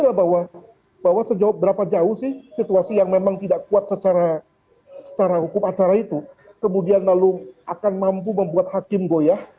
bahwa sejauh berapa jauh sih situasi yang memang tidak kuat secara hukum acara itu kemudian lalu akan mampu membuat hakim goyah